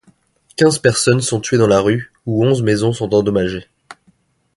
Quinze personnes sont tuées dans la rue, où onze maisons sont endommagées.